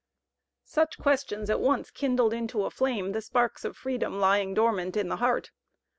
Such questions at once kindled into a flame the sparks of freedom lying dormant in the heart.